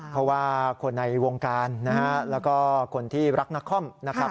เพราะว่าคนในวงการนะฮะแล้วก็คนที่รักนักคอมนะครับ